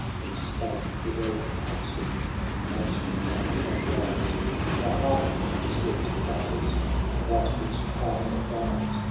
Then spake the elder Consul, An ancient man and wise :" Now hearken. Conscript Fathers, To that which I advise.